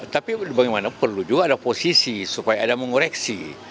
tapi bagaimana perlu juga ada posisi supaya ada mengoreksi